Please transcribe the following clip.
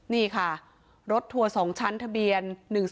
นี่ค่ะรถทัวร์สองชั้นทะเบียน๑๐๗๓๘๗